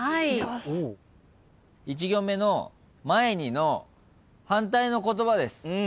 １行目の「前に」の反対の言葉です。